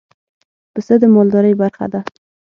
پسه د مالدارۍ برخه ده.